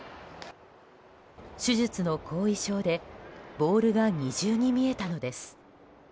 手術の後遺症でボールが二重に見えたのです。